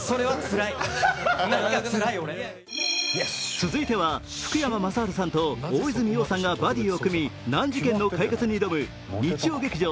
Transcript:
続いては福山雅治さんと大泉洋さんがバディを組み難事件の解決に挑む日曜劇場